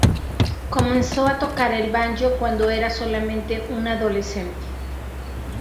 Comenzó a tocar el banjo cuando era sólo un adolescente.